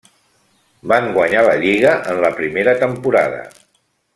Van guanyar la lliga en la primera temporada.